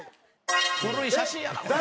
古い写真やなこれ。